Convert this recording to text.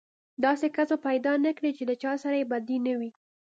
داسې کس به پيدا نه کړې چې له چا سره يې بدي نه وي.